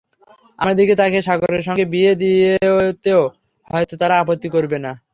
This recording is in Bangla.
আমার দিকে তাকিয়ে সাগরের সঙ্গে বিয়ে দিতেও হয়তো তারা আপত্তি করবে না।